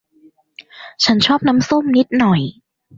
ฉันชอบน้ำส้มนิดหน่อย